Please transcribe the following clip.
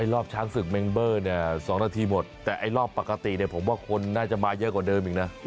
รอบช้างศึกเมงเบอร์เนี่ย๒นาทีหมดแต่ไอ้รอบปกติเนี่ยผมว่าคนน่าจะมาเยอะกว่าเดิมอีกนะ